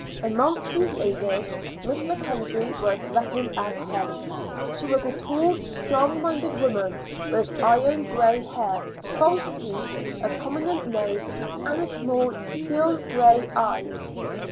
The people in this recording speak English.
Amongst these ladies Miss Mackenzie was reckoned as head. She was a tall, strong minded woman, with iron gray hair, false teeth, a prominent nose, and small steel gray eyes.